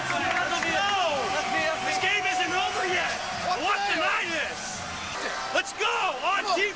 終わってないです！